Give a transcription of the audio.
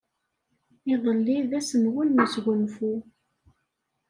Iḍelli d ass-nwen n wesgunfu.